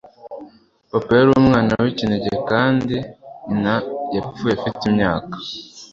Papa yari umwana w'ikinege kandi nyina yapfuye afite imyaka .